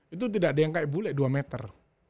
itu tidak ada yang kayak bule dua meter